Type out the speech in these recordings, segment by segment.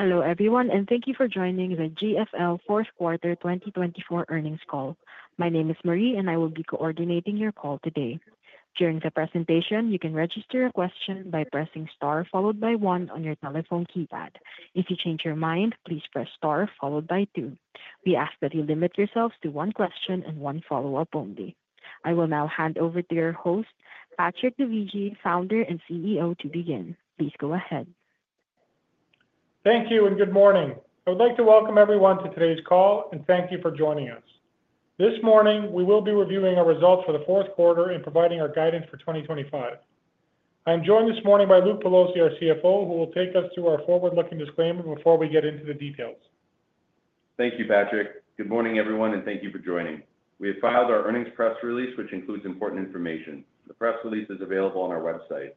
Hello, everyone, and thank you for joining the GFL Fourth Quarter 2024 Earnings Call. My name is Marie, and I will be coordinating your call today. During the presentation, you can register a question by pressing star followed by one on your telephone keypad. If you change your mind, please press star followed by two. We ask that you limit yourselves to one question and one follow-up only. I will now hand over to your host, Patrick Dovigi, Founder and CEO, to begin. Please go ahead. Thank you and good morning. I would like to welcome everyone to today's call and thank you for joining us. This morning, we will be reviewing our results for the fourth quarter and providing our guidance for 2025. I am joined this morning by Luke Pelosi, our CFO, who will take us through our forward-looking disclaimer before we get into the details. Thank you, Patrick. Good morning, everyone, and thank you for joining. We have filed our earnings press release, which includes important information. The press release is available on our website.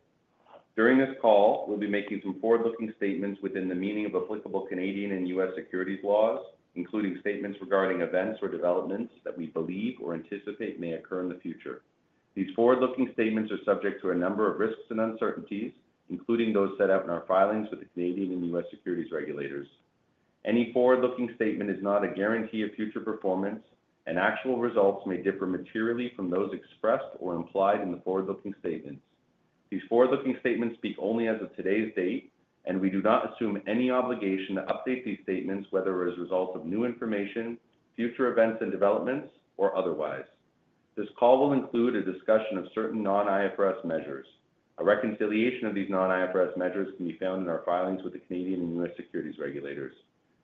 During this call, we'll be making some forward-looking statements within the meaning of applicable Canadian and U.S. securities laws, including statements regarding events or developments that we believe or anticipate may occur in the future. These forward-looking statements are subject to a number of risks and uncertainties, including those set out in our filings with the Canadian and U.S. Securities regulators. Any forward-looking statement is not a guarantee of future performance, and actual results may differ materially from those expressed or implied in the forward-looking statements. These forward-looking statements speak only as of today's date, and we do not assume any obligation to update these statements, whether as a result of new information, future events and developments, or otherwise. This call will include a discussion of certain non-IFRS measures. A reconciliation of these non-IFRS measures can be found in our filings with the Canadian and U.S. Securities regulators.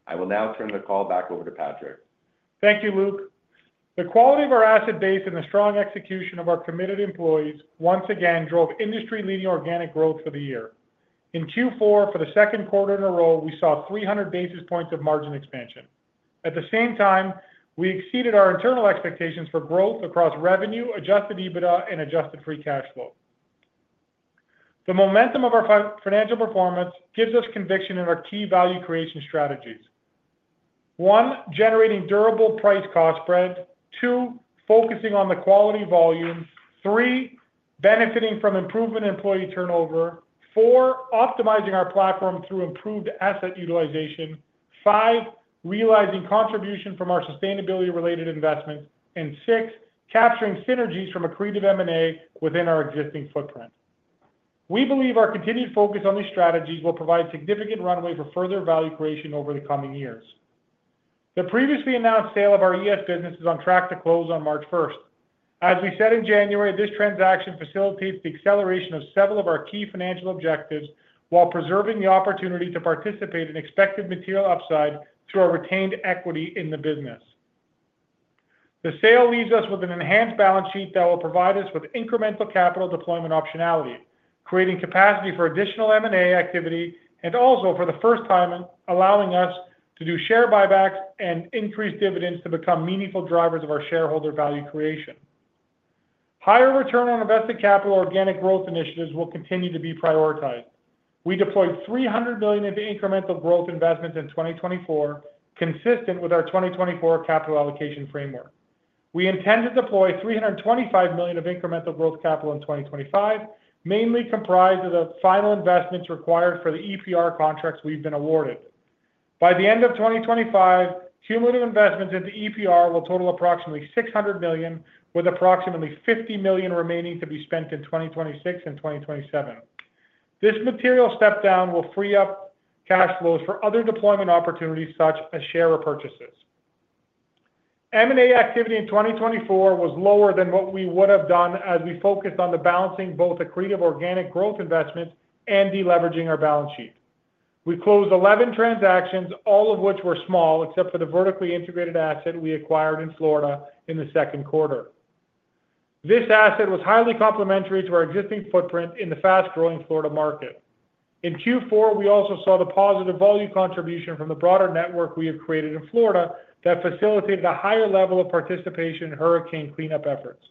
I will now turn the call back over to Patrick. Thank you, Luke. The quality of our asset base and the strong execution of our committed employees once again drove industry-leading organic growth for the year. In Q4, for the second quarter in a row, we saw 300 basis points of margin expansion. At the same time, we exceeded our internal expectations for growth across revenue, Adjusted EBITDA, and Adjusted Free Cash Flow. The momentum of our financial performance gives us conviction in our key value creation strategies: one, generating durable price-cost spread, two, focusing on the quality volume, three, benefiting from improvement in employee turnover, four, optimizing our platform through improved asset utilization, five, realizing contribution from our sustainability-related investments, and six, capturing synergies from accretive M&A within our existing footprint. We believe our continued focus on these strategies will provide significant runway for further value creation over the coming years. The previously announced sale of our ES business is on track to close on March 1st. As we said in January, this transaction facilitates the acceleration of several of our key financial objectives while preserving the opportunity to participate in expected material upside through our retained equity in the business. The sale leaves us with an enhanced balance sheet that will provide us with incremental capital deployment optionality, creating capacity for additional M&A activity, and also, for the first time, allowing us to do share buybacks and increase dividends to become meaningful drivers of our shareholder value creation. Higher return on invested capital organic growth initiatives will continue to be prioritized. We deployed $300 million of incremental growth investments in 2024, consistent with our 2024 capital allocation framework. We intend to deploy $325 million of incremental growth capital in 2025, mainly comprised of the final investments required for the EPR contracts we've been awarded. By the end of 2025, cumulative investments into EPR will total approximately $600 million, with approximately $50 million remaining to be spent in 2026 and 2027. This material step down will free up cash flows for other deployment opportunities, such as share repurchases. M&A activity in 2024 was lower than what we would have done as we focused on the balancing both accretive organic growth investments and deleveraging our balance sheet. We closed 11 transactions, all of which were small, except for the vertically integrated asset we acquired in Florida in the second quarter. This asset was highly complementary to our existing footprint in the fast-growing Florida market. In Q4, we also saw the positive volume contribution from the broader network we have created in Florida that facilitated a higher level of participation in hurricane cleanup efforts.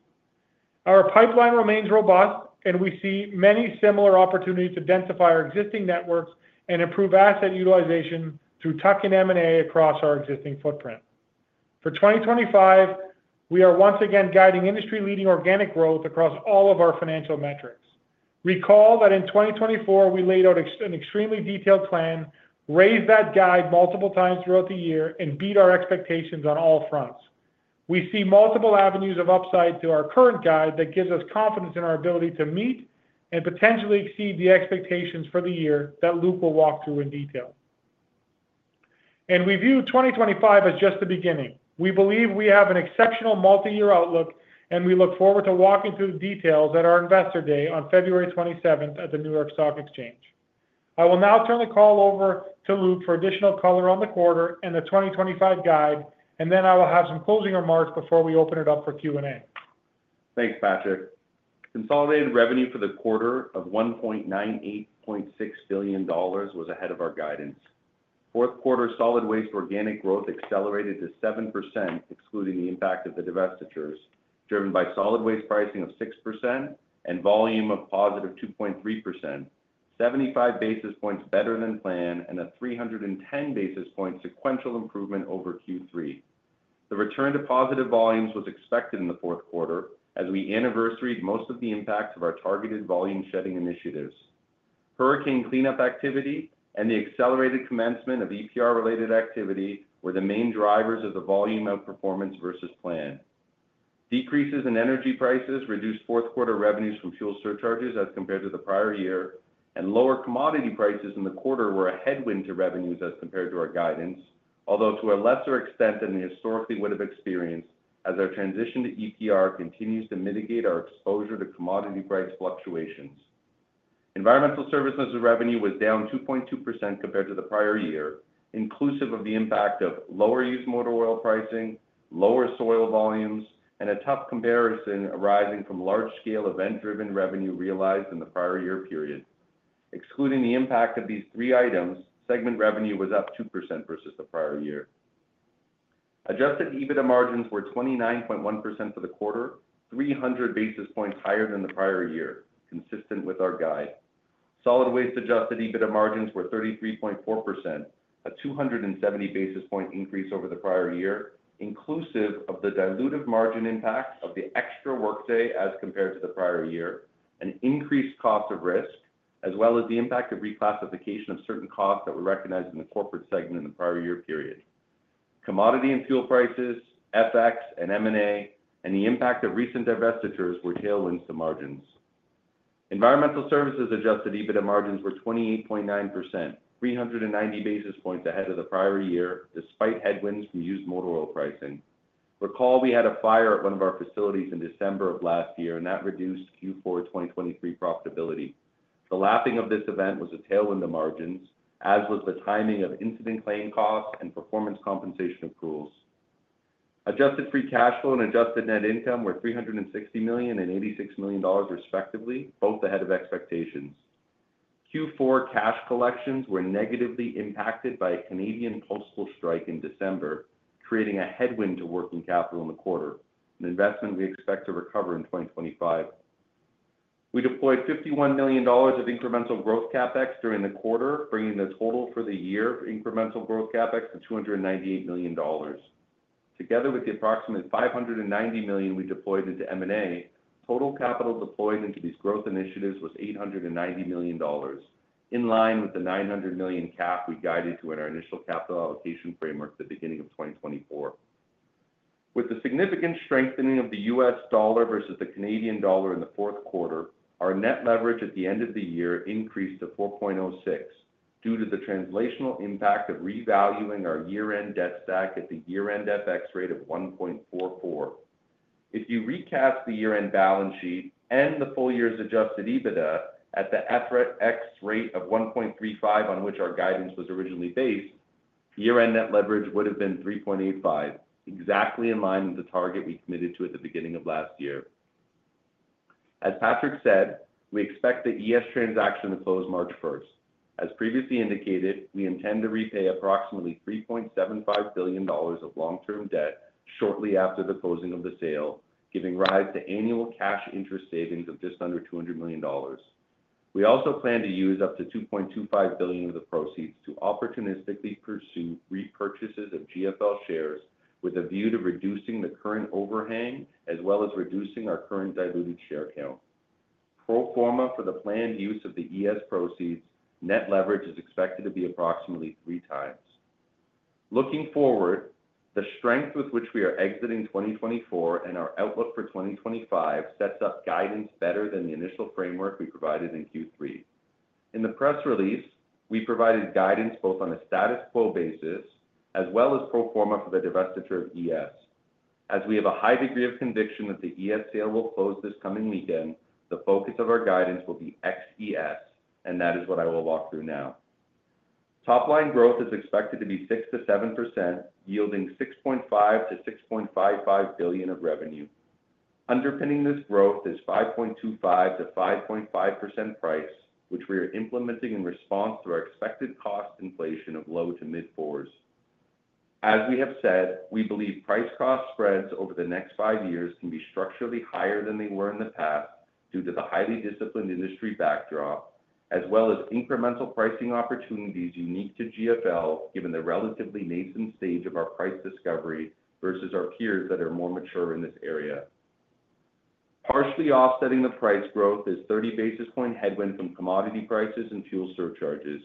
Our pipeline remains robust, and we see many similar opportunities to densify our existing networks and improve asset utilization through tuck-in M&A across our existing footprint. For 2025, we are once again guiding industry-leading organic growth across all of our financial metrics. Recall that in 2024, we laid out an extremely detailed plan, raised that guide multiple times throughout the year, and beat our expectations on all fronts. We see multiple avenues of upside to our current guide that gives us confidence in our ability to meet and potentially exceed the expectations for the year that Luke will walk through in detail, and we view 2025 as just the beginning. We believe we have an exceptional multi-year outlook, and we look forward to walking through the details at our Investor Day on February 27th at the New York Stock Exchange. I will now turn the call over to Luke for additional color on the quarter and the 2025 guide, and then I will have some closing remarks before we open it up for Q&A. Thanks, Patrick. Consolidated revenue for the quarter of $1.986 billion was ahead of our guidance. Fourth quarter solid waste organic growth accelerated to 7%, excluding the impact of the divestitures, driven by solid waste pricing of 6% and volume of positive 2.3%, 75 basis points better than planned, and a 310 basis point sequential improvement over Q3. The return to positive volumes was expected in the fourth quarter as we anniversaried most of the impacts of our targeted volume shedding initiatives. Hurricane cleanup activity and the accelerated commencement of EPR-related activity were the main drivers of the volume of performance versus planned. Decreases in energy prices reduced fourth quarter revenues from fuel surcharges as compared to the prior year, and lower commodity prices in the quarter were a headwind to revenues as compared to our guidance, although to a lesser extent than we historically would have experienced as our transition to EPR continues to mitigate our exposure to commodity price fluctuations. Environmental services revenue was -2.2% compared to the prior year, inclusive of the impact of lower used motor oil pricing, lower soil volumes, and a tough comparison arising from large-scale event-driven revenue realized in the prior year period. Excluding the impact of these three items, segment revenue was +2% versus the prior year. Adjusted EBITDA margins were 29.1% for the quarter, 300 basis points higher than the prior year, consistent with our guide. Solid waste adjusted EBITDA margins were 33.4%, a 270 basis point increase over the prior year, inclusive of the dilutive margin impact of the extra workday as compared to the prior year, an increased cost of risk, as well as the impact of reclassification of certain costs that were recognized in the corporate segment in the prior year period. Commodity and fuel prices, FX and M&A, and the impact of recent divestitures were tailwinds to margins. Environmental services adjusted EBITDA margins were 28.9%, 390 basis points ahead of the prior year, despite headwinds from used motor oil pricing. Recall we had a fire at one of our facilities in December of last year, and that reduced Q4 2023 profitability. The lapping of this event was a tailwind to margins, as was the timing of incident claim costs and performance compensation accruals. Adjusted free cash flow and adjusted net income were $360 million and $86 million, respectively, both ahead of expectations. Q4 cash collections were negatively impacted by a Canadian postal strike in December, creating a headwind to working capital in the quarter, an investment we expect to recover in 2025. We deployed $51 million of incremental growth CapEx during the quarter, bringing the total for the year of incremental growth CapEx to $298 million. Together with the approximate $590 million we deployed into M&A, total capital deployed into these growth initiatives was $890 million, in line with the $900 million cap we guided to in our initial capital allocation framework at the beginning of 2024. With the significant strengthening of the U.S. dollar versus the Canadian dollar in the fourth quarter, our net leverage at the end of the year increased to 4.06 due to the translational impact of revaluing our year-end debt stack at the year-end FX rate of 1.44. If you recast the year-end balance sheet and the full year's Adjusted EBITDA at the FX rate of 1.35, on which our guidance was originally based, year-end net leverage would have been 3.85, exactly in line with the target we committed to at the beginning of last year. As Patrick said, we expect the ES transaction to close March 1st. As previously indicated, we intend to repay approximately $3.75 billion of long-term debt shortly after the closing of the sale, giving rise to annual cash interest savings of just under $200 million. We also plan to use up to $2.25 billion of the proceeds to opportunistically pursue repurchases of GFL shares with a view to reducing the current overhang as well as reducing our current diluted share count. Pro forma for the planned use of the ES proceeds, net leverage is expected to be approximately three times. Looking forward, the strength with which we are exiting 2024 and our outlook for 2025 sets up guidance better than the initial framework we provided in Q3. In the press release, we provided guidance both on a status quo basis as well as pro forma for the divestiture of ES. As we have a high degree of conviction that the ES sale will close this coming weekend, the focus of our guidance will be ES, and that is what I will walk through now. Top-line growth is expected to be 6%-7%, yielding $6.5 billion-$6.55 billion of revenue. Underpinning this growth is 5.25%-5.5% price, which we are implementing in response to our expected cost inflation of low to mid-fours. As we have said, we believe price-cost spreads over the next five years can be structurally higher than they were in the past due to the highly disciplined industry backdrop, as well as incremental pricing opportunities unique to GFL, given the relatively nascent stage of our price discovery versus our peers that are more mature in this area. Partially offsetting the price growth is 30 basis point headwind from commodity prices and fuel surcharges.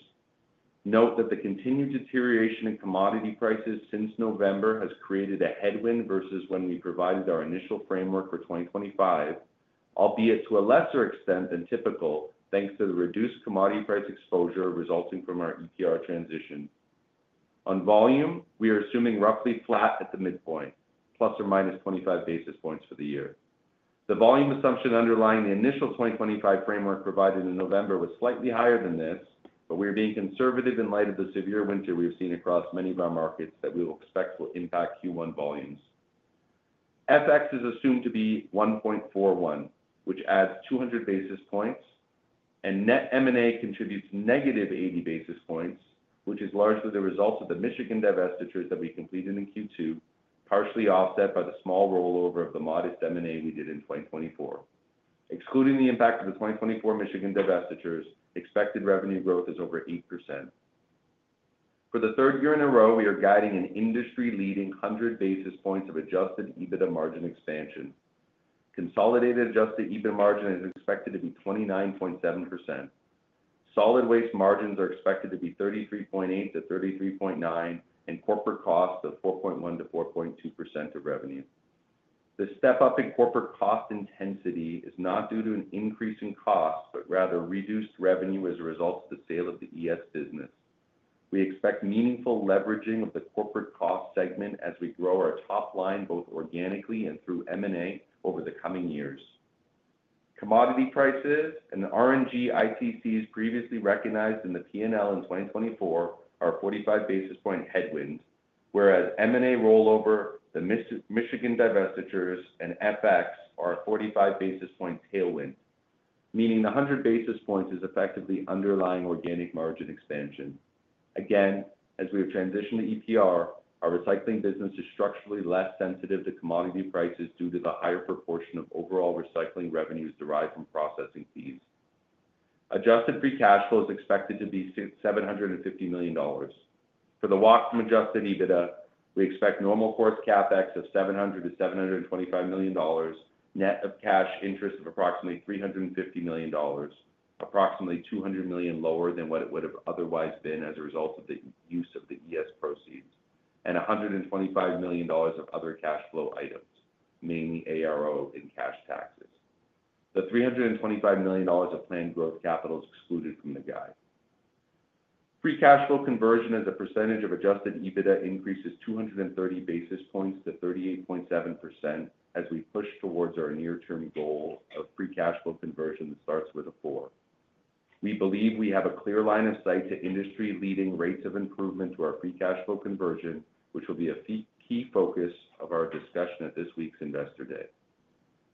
Note that the continued deterioration in commodity prices since November has created a headwind versus when we provided our initial framework for 2025, albeit to a lesser extent than typical, thanks to the reduced commodity price exposure resulting from our EPR transition. On volume, we are assuming roughly flat at the midpoint, plus or minus 25 basis points for the year. The volume assumption underlying the initial 2025 framework provided in November was slightly higher than this, but we are being conservative in light of the severe winter we have seen across many of our markets that we will expect will impact Q1 volumes. FX is assumed to be 1.41, which adds 200 basis points, and net M&A contributes negative 80 basis points, which is largely the result of the Michigan divestitures that we completed in Q2, partially offset by the small rollover of the modest M&A we did in 2024. Excluding the impact of the 2024 Michigan divestitures, expected revenue growth is over 8%. For the third year in a row, we are guiding an industry-leading 100 basis points of Adjusted EBITDA margin expansion. Consolidated Adjusted EBITDA margin is expected to be 29.7%. Solid waste margins are expected to be 33.8%-33.9%, and corporate costs of 4.1%-4.2% of revenue. The step up in corporate cost intensity is not due to an increase in cost, but rather reduced revenue as a result of the sale of the ES business. We expect meaningful leveraging of the corporate cost segment as we grow our top line both organically and through M&A over the coming years. Commodity prices and RNG ITCs previously recognized in the P&L in 2024 are a 45 basis point headwind, whereas M&A rollover, the Michigan divestitures, and FX are a 45 basis point tailwind, meaning the 100 basis points is effectively underlying organic margin expansion. Again, as we have transitioned to EPR, our recycling business is structurally less sensitive to commodity prices due to the higher proportion of overall recycling revenues derived from processing fees. Adjusted free cash flow is expected to be $750 million. For the WACM adjusted EBITDA, we expect normal course CapEx of $700-$725 million, net of cash interest of approximately $350 million, approximately $200 million lower than what it would have otherwise been as a result of the use of the ES proceeds, and $125 million of other cash flow items, mainly ARO and cash taxes. The $325 million of planned growth capital is excluded from the guide. Free cash flow conversion as a percentage of adjusted EBITDA increases 230 basis points to 38.7% as we push towards our near-term goal of free cash flow conversion that starts with a 4. We believe we have a clear line of sight to industry-leading rates of improvement to our free cash flow conversion, which will be a key focus of our discussion at this week's Investor Day.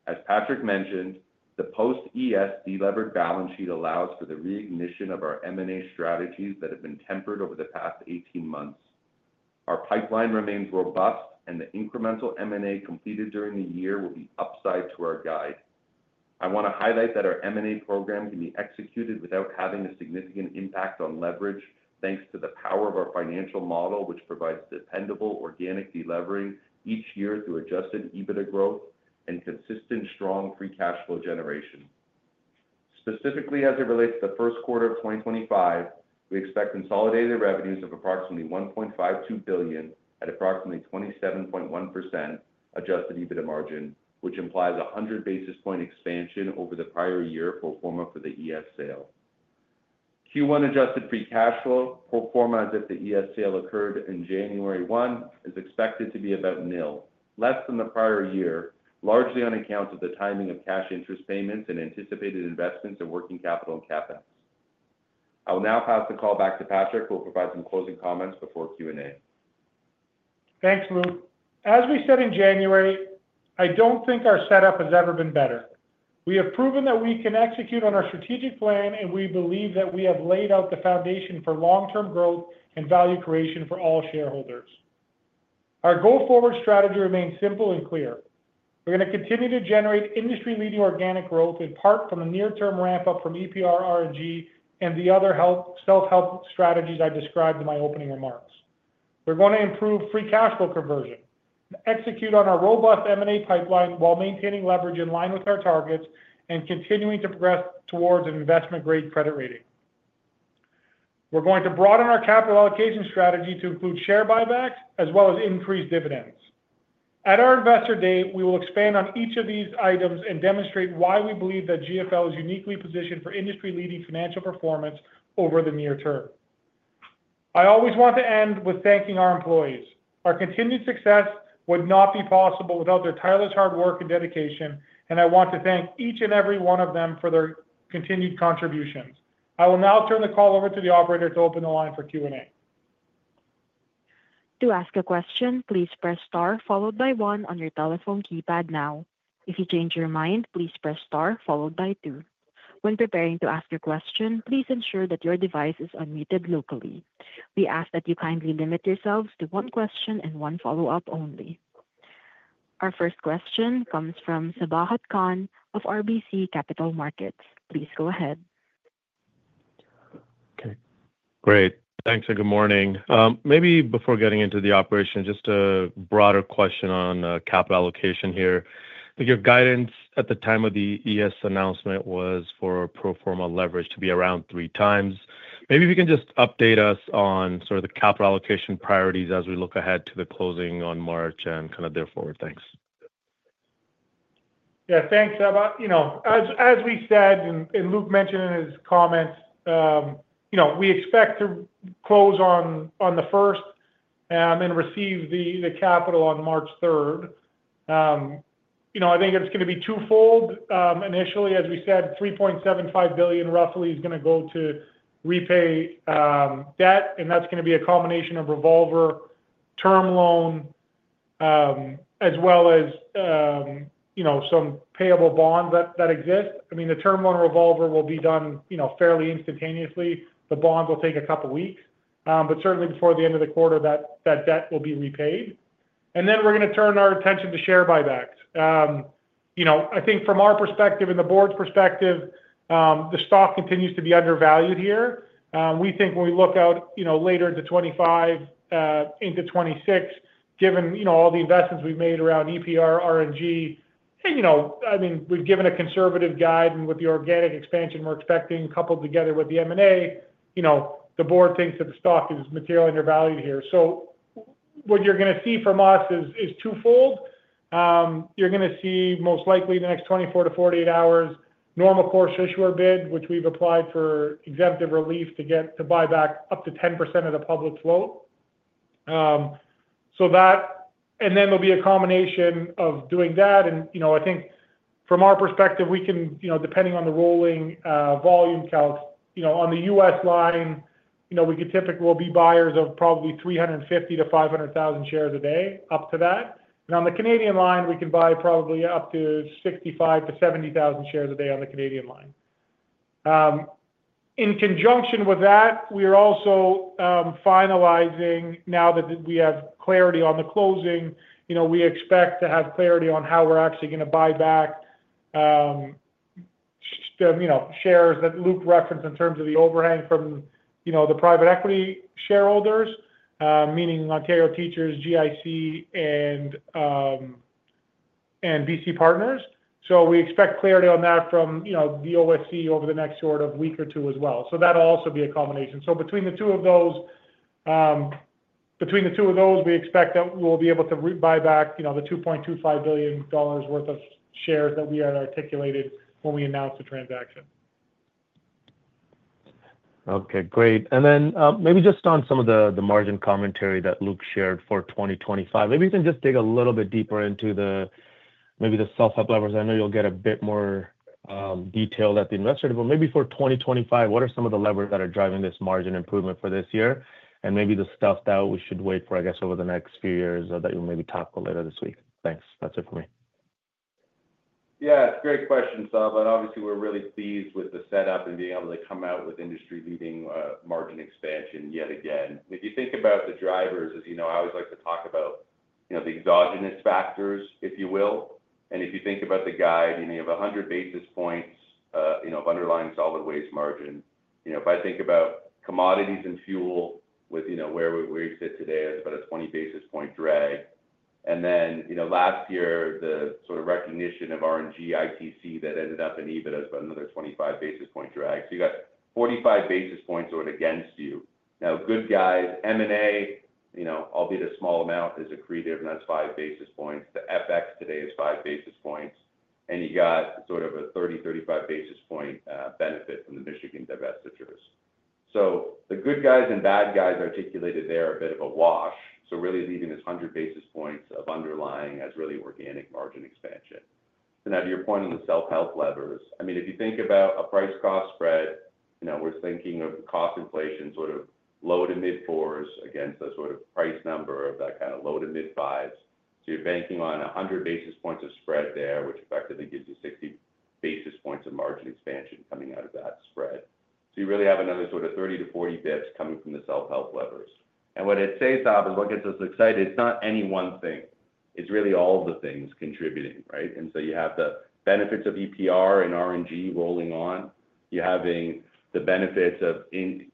As Patrick mentioned, the post-ES de-levered balance sheet allows for the reignition of our M&A strategies that have been tempered over the past 18 months. Our pipeline remains robust, and the incremental M&A completed during the year will be upside to our guide. I want to highlight that our M&A program can be executed without having a significant impact on leverage, thanks to the power of our financial model, which provides dependable organic delivery each year through Adjusted EBITDA growth and consistent strong free cash flow generation. Specifically, as it relates to the first quarter of 2025, we expect consolidated revenues of approximately $1.52 billion at approximately 27.1% Adjusted EBITDA margin, which implies a 100 basis point expansion over the prior year pro forma for the ES sale. Q1 adjusted free cash flow, pro forma as if the ES sale occurred in January 1, is expected to be about nil, less than the prior year, largely on account of the timing of cash interest payments and anticipated investments of working capital and CapEx. I will now pass the call back to Patrick, who will provide some closing comments before Q&A. Thanks, Luke. As we said in January, I don't think our setup has ever been better. We have proven that we can execute on our strategic plan, and we believe that we have laid out the foundation for long-term growth and value creation for all shareholders. Our go-forward strategy remains simple and clear. We're going to continue to generate industry-leading organic growth in part from the near-term ramp-up from EPR, R&G, and the other self-help strategies I described in my opening remarks. We're going to improve free cash flow conversion, execute on our robust M&A pipeline while maintaining leverage in line with our targets and continuing to progress towards an investment-grade credit rating. We're going to broaden our capital allocation strategy to include share buybacks as well as increase dividends. At our Investor Day, we will expand on each of these items and demonstrate why we believe that GFL is uniquely positioned for industry-leading financial performance over the near term. I always want to end with thanking our employees. Our continued success would not be possible without their tireless hard work and dedication, and I want to thank each and every one of them for their continued contributions. I will now turn the call over to the operator to open the line for Q&A. To ask a question, please press * followed by 1 on your telephone keypad now. If you change your mind, please press * followed by 2. When preparing to ask your question, please ensure that your device is unmuted locally. We ask that you kindly limit yourselves to one question and one follow-up only. Our first question comes from Sabahat Khan of RBC Capital Markets. Please go ahead. Okay. Great. Thanks and good morning. Maybe before getting into the operation, just a broader question on capital allocation here. Your guidance at the time of the ES announcement was for pro forma leverage to be around three times. Maybe if you can just update us on sort of the capital allocation priorities as we look ahead to the closing on March and kind of therefore, thanks. Yeah, thanks, Sabah. As we said and Luke mentioned in his comments, we expect to close on the 1st and receive the capital on March 3rd. I think it's going to be twofold. Initially, as we said, $3.75 billion roughly is going to go to repay debt, and that's going to be a combination of revolver, term loan, as well as some payable bonds that exist. I mean, the term loan revolver will be done fairly instantaneously. The bonds will take a couple of weeks, but certainly before the end of the quarter, that debt will be repaid, and then we're going to turn our attention to share buybacks. I think from our perspective and the board's perspective, the stock continues to be undervalued here. We think when we look out later into 2025, into 2026, given all the investments we've made around EPR, RNG, and I mean, we've given a conservative guide, and with the organic expansion we're expecting coupled together with the M&A, the board thinks that the stock is materially undervalued here. So what you're going to see from us is twofold. You're going to see most likely in the next 24-48 hours, normal course issuer bid, which we've applied for exemptive relief to buy back up to 10% of the public float. And then there'll be a combination of doing that. And I think from our perspective, we can, depending on the rolling volume calc, on the U.S. line, we could typically be buyers of probably 350,000-500,000 shares a day, up to that. On the Canadian line, we can buy probably up to 65-70,000 shares a day on the Canadian line. In conjunction with that, we are also finalizing now that we have clarity on the closing. We expect to have clarity on how we're actually going to buy back shares that Luke referenced in terms of the overhang from the private equity shareholders, meaning Ontario Teachers, GIC, and BC Partners. We expect clarity on that from the OSC over the next sort of week or two as well. That'll also be a combination. Between the two of those, we expect that we'll be able to buy back the $2.25 billion worth of shares that we had articulated when we announced the transaction. Okay, great. And then maybe just on some of the margin commentary that Luke shared for 2025, maybe you can just dig a little bit deeper into maybe the self-help levers. I know you'll get a bit more detail at the Investor Day, but maybe for 2025, what are some of the levers that are driving this margin improvement for this year? And maybe the stuff that we should wait for, I guess, over the next few years that you'll maybe talk about later this week. Thanks. That's it for me. Yeah, great question, Sabahat. Obviously, we're really pleased with the setup and being able to come out with industry-leading margin expansion yet again. If you think about the drivers, as you know, I always like to talk about the exogenous factors, if you will, and if you think about the guide, you have 100 basis points of underlying solid waste margin. If I think about commodities and fuel with where we sit today, it's about a 20 basis point drag. And then last year, the sort of recognition of RNG ITC that ended up in EBITDA is about another 25 basis point drag. So you got 45 basis points sort of against you. Now, good guys, M&A, albeit a small amount, is accretive, and that's five basis points. The FX today is five basis points. And you got sort of a 30-35 basis point benefit from the Michigan divestitures. So the good guys and bad guys articulated there are a bit of a wash. So really leaving this 100 basis points of underlying as really organic margin expansion. And now to your point on the self-help levers. I mean, if you think about a price cost spread, we're thinking of cost inflation sort of low to mid fours against a sort of price number of that kind of low to mid fives. So you're banking on 100 basis points of spread there, which effectively gives you 60 basis points of margin expansion coming out of that spread. So you really have another sort of 30 to 40 basis points coming from the self-help levers. And what it says, Sabahat, is what gets us excited. It's not any one thing. It's really all of the things contributing, right? And so you have the benefits of EPR and RNG rolling on. You're having the benefits of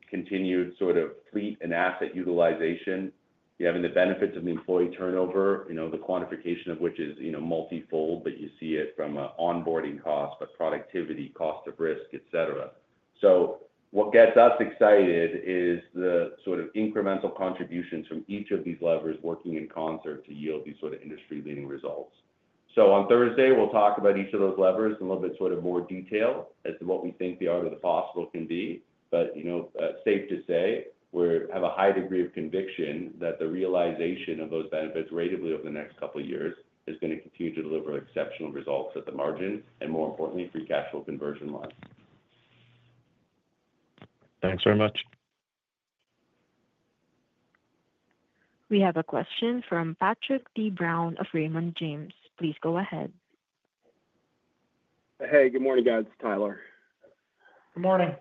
continued sort of fleet and asset utilization. You're having the benefits of the employee turnover, the quantification of which is multifold, but you see it from onboarding costs, but productivity, cost of risk, etc. So what gets us excited is the sort of incremental contributions from each of these levers working in concert to yield these sort of industry-leading results. So on Thursday, we'll talk about each of those levers in a little bit sort of more detail as to what we think the art of the possible can be. But safe to say, we have a high degree of conviction that the realization of those benefits ratably over the next couple of years is going to continue to deliver exceptional results at the margin and, more importantly, free cash flow conversion line. Thanks very much. We have a question from Patrick T. Brown of Raymond James. Please go ahead. Hey, good morning, guys. Tyler. Good morning.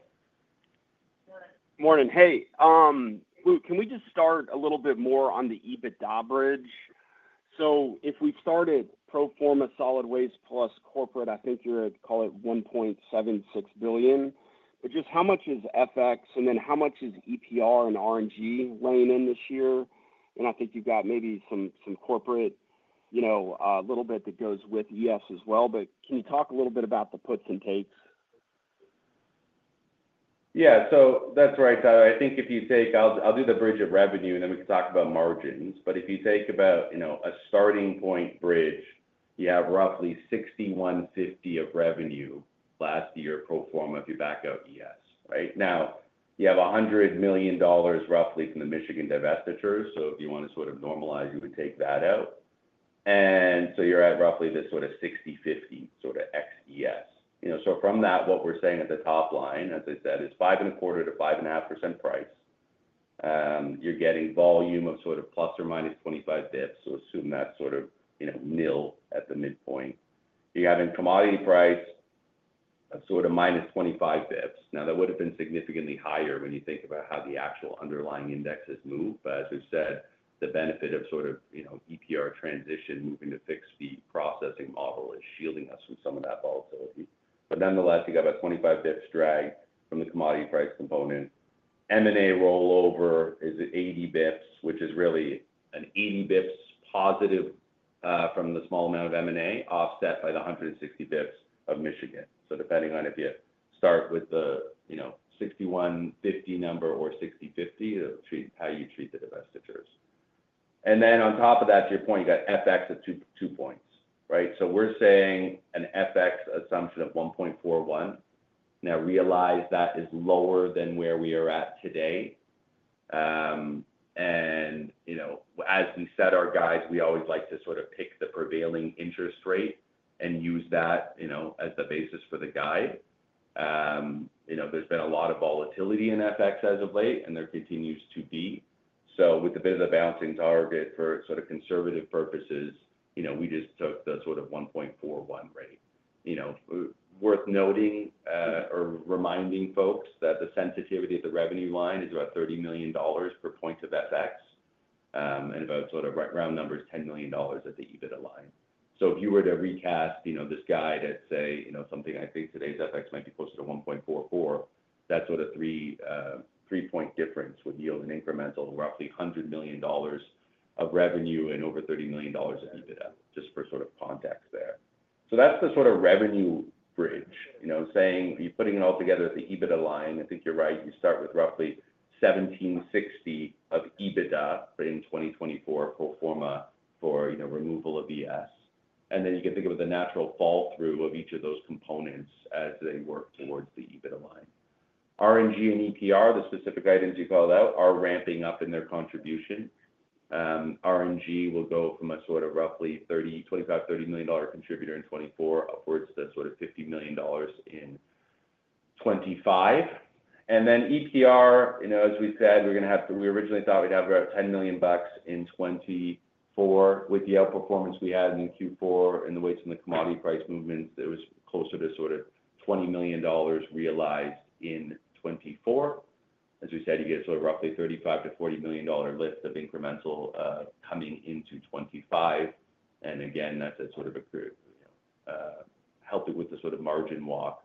Morning. Hey, Luke, can we just start a little bit more on the EBITDA bridge? So if we've started pro forma solid waste plus corporate, I think you're at, call it, $1.76 billion. But just how much is FX, and then how much is EPR and RNG laying in this year? And I think you've got maybe some corporate a little bit that goes with ES as well. But can you talk a little bit about the puts and takes? Yeah, so that's right, Tyler. I think if you take, I'll do the bridge of revenue, and then we can talk about margins. But if you take about a starting point bridge, you have roughly $6.150 of revenue last year pro forma if you back out ES, right? Now, you have $100 million roughly from the Michigan divestitures. So if you want to sort of normalize, you would take that out. And so you're at roughly this sort of 6.050 sort of ex ES. So from that, what we're saying at the top line, as I said, is 5.25%-5.5% price. You're getting volume of sort of plus or minus 25 basis points. So assume that's sort of nil at the midpoint. You're having commodity price of sort of minus 25 basis points. Now, that would have been significantly higher when you think about how the actual underlying indexes move. But as we've said, the benefit of sort of EPR transition moving to fixed fee processing model is shielding us from some of that volatility. But nonetheless, you got about 25 basis points drag from the commodity price component. M&A rollover is 80 basis points, which is really an 80 basis points positive from the small amount of M&A offset by the 160 basis points of Michigan. So depending on if you start with the 61/50 number or 60/50, how you treat the divestitures. And then on top of that, to your point, you got FX at two points, right? So we're saying an FX assumption of 1.41. Now, realize that is lower than where we are at today. And as we set our guides, we always like to sort of pick the prevailing interest rate and use that as the basis for the guide. There's been a lot of volatility in FX as of late, and there continues to be. So with a bit of a bouncing target for sort of conservative purposes, we just took the sort of 1.41 rate. Worth noting or reminding folks that the sensitivity of the revenue line is about $30 million per point of FX. And about sort of round numbers, $10 million at the EBITDA line. So if you were to recast this guide at, say, something I think today's FX might be closer to 1.44, that's what a three-point difference would yield an incremental of roughly $100 million of revenue and over $30 million of EBITDA, just for sort of context there. So that's the sort of revenue bridge, saying you're putting it all together at the EBITDA line. I think you're right. You start with roughly $1.76 billion of EBITDA in 2024 pro forma for removal of ES, and then you can think of the natural fall through of each of those components as they work towards the EBITDA line. R&G and EPR, the specific items you called out, are ramping up in their contribution. R&G will go from a sort of roughly $25-$30 million contributor in 2024 upwards to sort of $50 million in 2025, and then EPR, as we said, we originally thought we'd have about $10 million in 2024. With the outperformance we had in Q4 and the ways in the commodity price movements, it was closer to sort of $20 million realized in 2024. As we said, you get sort of roughly $35-$40 million lift of incremental coming into 2025. And again, that's sort of helped it with the sort of margin walk.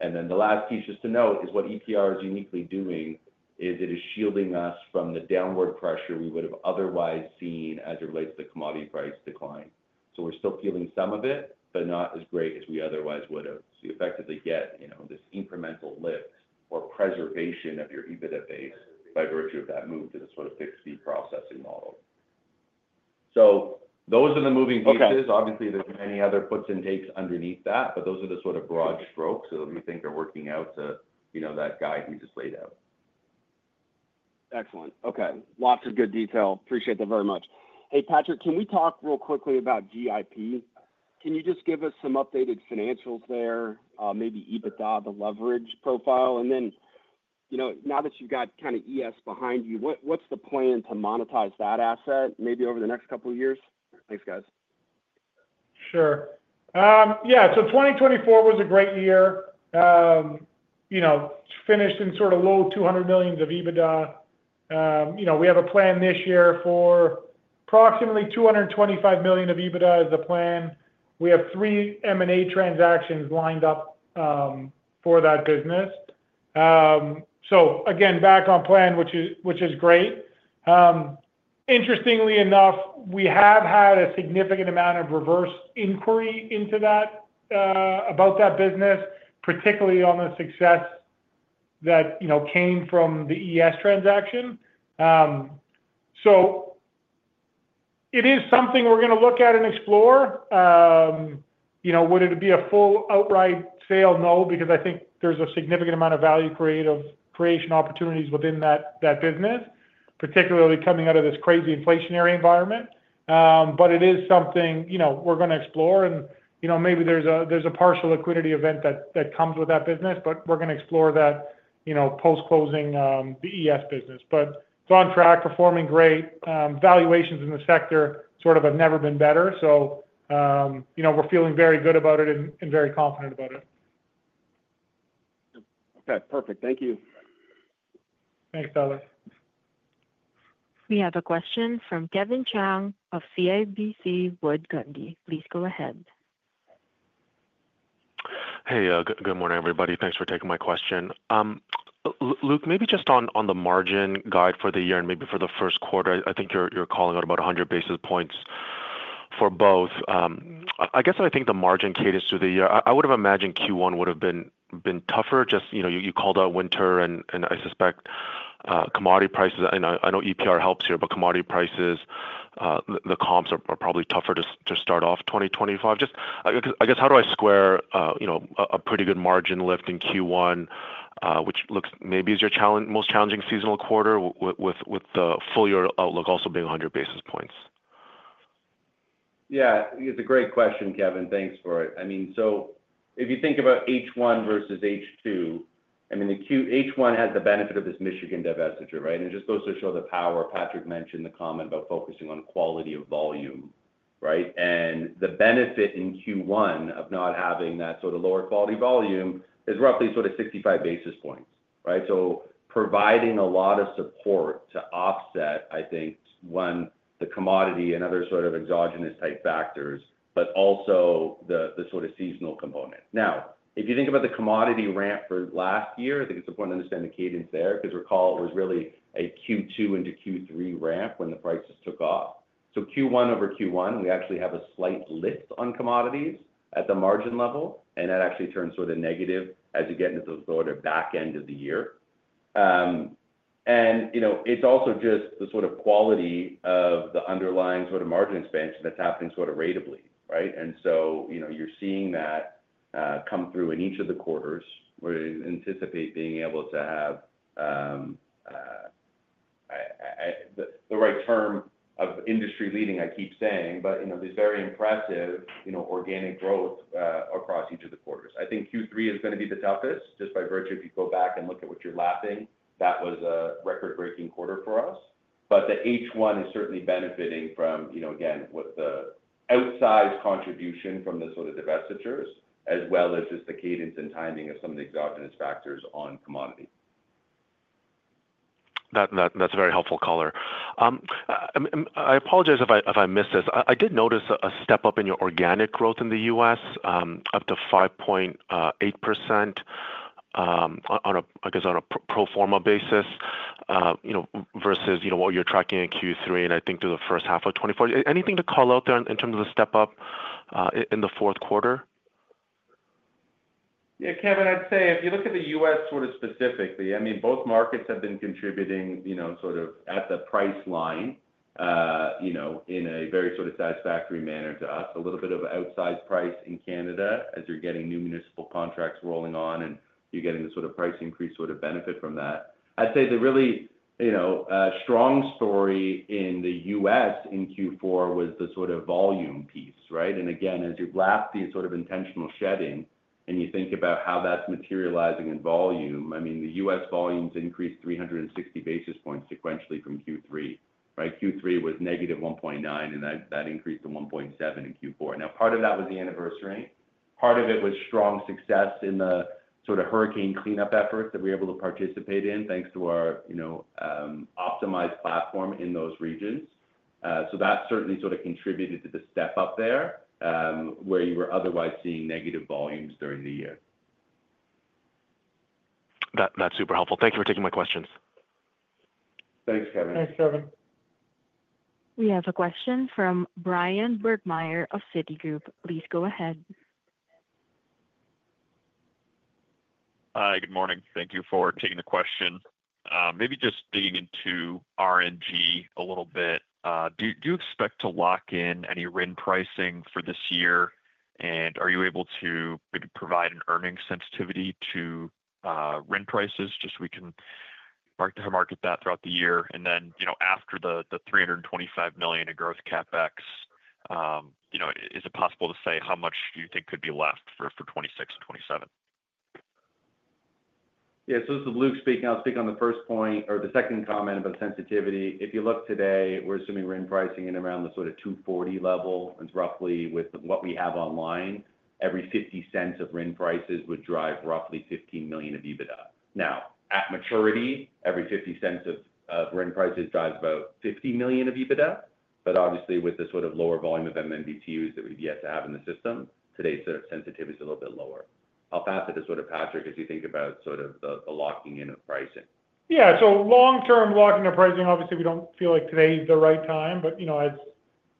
And then the last piece just to note is what EPR is uniquely doing is it is shielding us from the downward pressure we would have otherwise seen as it relates to the commodity price decline. So we're still feeling some of it, but not as great as we otherwise would have. So you effectively get this incremental lift or preservation of your EBITDA base by virtue of that move to the sort of fixed fee processing model. So those are the moving pieces. Obviously, there's many other puts and takes underneath that, but those are the sort of broad strokes that we think are working out to that guide we just laid out. Excellent. Okay. Lots of good detail. Appreciate that very much. Hey, Patrick, can we talk real quickly about GIP? Can you just give us some updated financials there, maybe EBITDA, the leverage profile? And then now that you've got kind of ES behind you, what's the plan to monetize that asset maybe over the next couple of years? Thanks, guys. Sure. Yeah. So 2024 was a great year. Finished in sort of low $200 million of EBITDA. We have a plan this year for approximately $225 million of EBITDA as the plan. We have three M&A transactions lined up for that business. So again, back on plan, which is great. Interestingly enough, we have had a significant amount of reverse inquiry into that about that business, particularly on the success that came from the ES transaction. So it is something we're going to look at and explore. Would it be a full outright sale? No, because I think there's a significant amount of value creation opportunities within that business, particularly coming out of this crazy inflationary environment. But it is something we're going to explore. And maybe there's a partial liquidity event that comes with that business, but we're going to explore that post-closing the ES business. But it's on track, performing great. Valuations in the sector sort of have never been better. So we're feeling very good about it and very confident about it. Okay. Perfect. Thank you. Thanks, Tyler. We have a question from Kevin Chiang of CIBC Wood Gundy. Please go ahead. Hey, good morning, everybody. Thanks for taking my question. Luke, maybe just on the margin guide for the year and maybe for the first quarter, I think you're calling out about 100 basis points for both. I guess I think the margin cadence through the year, I would have imagined Q1 would have been tougher. Just you called out winter, and I suspect commodity prices, and I know EPR helps here, but commodity prices, the comps are probably tougher to start off 2025. Just I guess, how do I square a pretty good margin lift in Q1, which looks maybe is your most challenging seasonal quarter with the full year outlook also being 100 basis points? Yeah. It's a great question, Kevin. Thanks for it. I mean, so if you think about H1 versus H2, I mean, H1 has the benefit of this Michigan divestiture, right? And it just goes to show the power. Patrick mentioned the comment about focusing on quality of volume, right? And the benefit in Q1 of not having that sort of lower quality volume is roughly sort of 65 basis points, right? So providing a lot of support to offset, I think, one, the commodity and other sort of exogenous type factors, but also the sort of seasonal component. Now, if you think about the commodity ramp for last year, I think it's important to understand the cadence there because recall, it was really a Q2 into Q3 ramp when the prices took off. So Q1 over Q1, we actually have a slight lift on commodities at the margin level, and that actually turns sort of negative as you get into the sort of back end of the year. And it's also just the sort of quality of the underlying sort of margin expansion that's happening sort of ratably, right? And so you're seeing that come through in each of the quarters. We anticipate being able to have the right amount of industry leading, I keep saying, but there's very impressive organic growth across each of the quarters. I think Q3 is going to be the toughest just by virtue of if you go back and look at what you're looking at, that was a record-breaking quarter for us. But the H1 is certainly benefiting from, again, with the outsized contribution from the sort of divestitures as well as just the cadence and timing of some of the exogenous factors on commodity. That's a very helpful color. I apologize if I missed this. I did notice a step up in your organic growth in the U.S., up to 5.8%, I guess, on a pro forma basis versus what you're tracking in Q3 and I think through the first half of 2024. Anything to call out there in terms of the step up in the fourth quarter? Yeah, Kevin, I'd say if you look at the U.S. sort of specifically, I mean, both markets have been contributing sort of at the price line in a very sort of satisfactory manner to us. A little bit of outsized price in Canada as you're getting new municipal contracts rolling on and you're getting the sort of price increase sort of benefit from that. I'd say the really strong story in the U.S. in Q4 was the sort of volume piece, right? And again, as you're laughing at sort of intentional shedding and you think about how that's materializing in volume, I mean, the U.S. volumes increased 360 basis points sequentially from Q3, right? Q3 was negative 1.9%, and that increased to 1.7% in Q4. Now, part of that was the anniversary. Part of it was strong success in the sort of hurricane cleanup efforts that we were able to participate in thanks to our optimized platform in those regions, so that certainly sort of contributed to the step up there where you were otherwise seeing negative volumes during the year. That's super helpful. Thank you for taking my questions. Thanks, Kevin. Thanks, Kevin. We have a question from Brian Burgmeier of Citigroup. Please go ahead. Hi, good morning. Thank you for taking the question. Maybe just digging into RNG a little bit. Do you expect to lock in any RIN pricing for this year? And are you able to maybe provide an earnings sensitivity to RIN prices just so we can market that throughout the year? And then after the $325 million in growth CapEx, is it possible to say how much do you think could be left for 2026 and 2027? Yeah, so this is Luke speaking. I'll speak on the first point or the second comment about sensitivity. If you look today, we're assuming RIN pricing in around the sort of 240 level. It's roughly with what we have online, every 50 cents of RIN prices would drive roughly 15 million of EBITDA. Now, at maturity, every 50 cents of RIN prices drives about 50 million of EBITDA. But obviously, with the sort of lower volume of MMBtus that we've yet to have in the system, today's sensitivity is a little bit lower. I'll pass it to sort of Patrick as you think about sort of the locking in of pricing. Yeah. So long-term locking of pricing, obviously, we don't feel like today is the right time. But as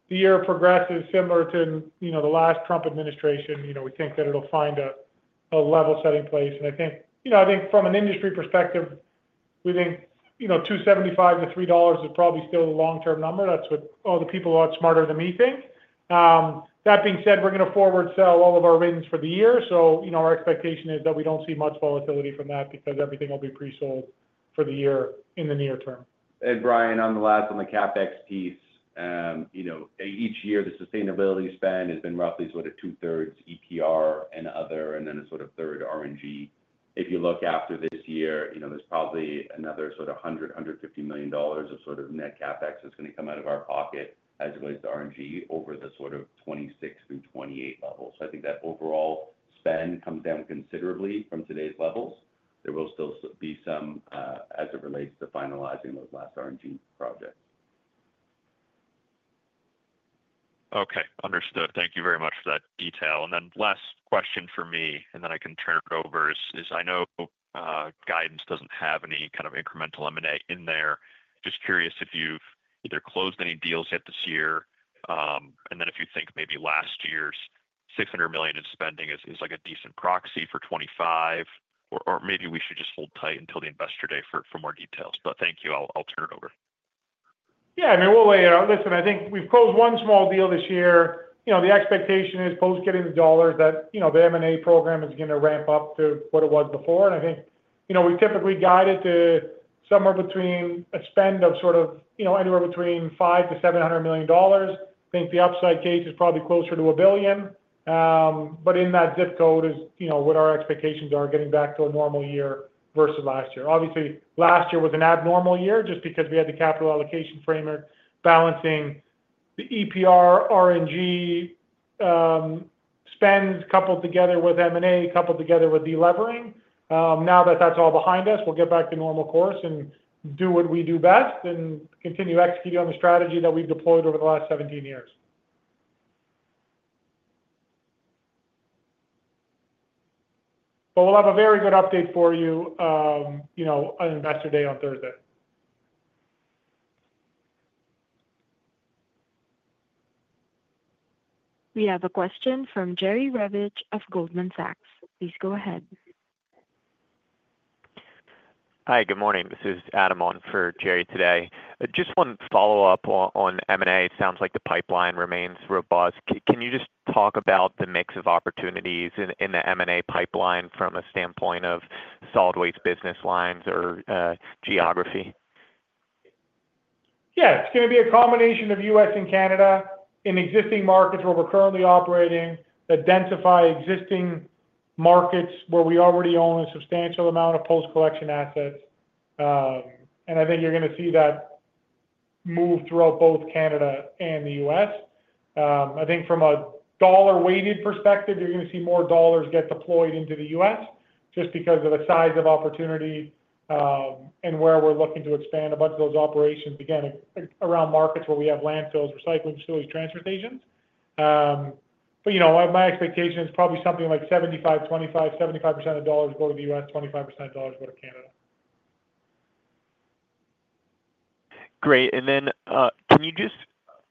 the year progresses, similar to the last Trump administration, we think that it'll find a level-setting place. And I think from an industry perspective, we think $2.75-$3 is probably still the long-term number. That's what all the people who are smarter than me think. That being said, we're going to forward sell all of our RINs for the year. So our expectation is that we don't see much volatility from that because everything will be presold for the year in the near term. And Brian, on the last one, the CapEx piece, each year, the sustainability spend has been roughly sort of two-thirds EPR and other, and then a sort of third R&G. If you look after this year, there's probably another sort of $100-150 million of sort of net CapEx that's going to come out of our pocket as it relates to R&G over the sort of 2026 through 2028 levels. So I think that overall spend comes down considerably from today's levels. There will still be some as it relates to finalizing those last R&G projects. Okay. Understood. Thank you very much for that detail. And then last question for me, and then I can turn it over is I know guidance doesn't have any kind of incremental M&A in there. Just curious if you've either closed any deals yet this year, and then if you think maybe last year's $600 million in spending is like a decent proxy for 2025, or maybe we should just hold tight until the Investor Day for more details. But thank you. I'll turn it over. Yeah. I mean, we'll wait. Listen, I think we've closed one small deal this year. The expectation is post-getting the dollars that the M&A program is going to ramp up to what it was before. And I think we typically guide it to somewhere between a spend of sort of anywhere between $500-$700 million. I think the upside case is probably closer to $1 billion. But in that zip code is what our expectations are getting back to a normal year versus last year. Obviously, last year was an abnormal year just because we had the capital allocation framework balancing the EPR, RNG spends coupled together with M&A, coupled together with delevering. Now that that's all behind us, we'll get back to normal course and do what we do best and continue executing on the strategy that we've deployed over the last 17 years. But we'll have a very good update for you on Investor Day on Thursday. We have a question from Jerry Revich of Goldman Sachs. Please go ahead. Hi, good morning. This is Adam on for Jerry today. Just one follow-up on M&A. It sounds like the pipeline remains robust. Can you just talk about the mix of opportunities in the M&A pipeline from a standpoint of solid waste business lines or geography? Yeah. It's going to be a combination of U.S. and Canada in existing markets where we're currently operating, to densify existing markets where we already own a substantial amount of post-collection assets. And I think you're going to see that move throughout both Canada and the U.S. I think from a dollar-weighted perspective, you're going to see more dollars get deployed into the U.S. just because of the size of opportunity and where we're looking to expand a bunch of those operations, again, around markets where we have landfills, recycling facilities, transfer stations. But my expectation is probably something like 75, 25, 75% of dollars go to the U.S., 25% of dollars go to Canada. Great, and then can you just